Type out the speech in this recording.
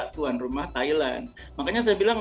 tuan rumah thailand makanya saya bilang